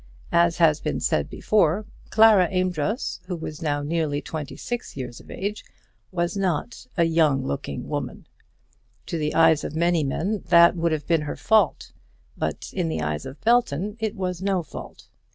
As has been said before, Clara Amedroz, who was now nearly twenty six years of age, was not a young looking young woman. To the eyes of many men that would have been her fault; but in the eyes of Belton it was no fault.